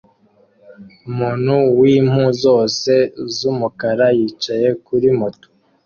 Umuntu wimpu zose z'umukara yicaye kuri moto